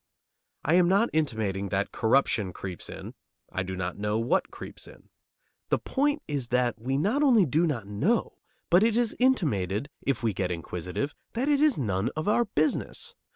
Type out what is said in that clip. I am not intimating that corruption creeps in; I do not know what creeps in. The point is that we not only do not know, but it is intimated, if we get inquisitive, that it is none of our business.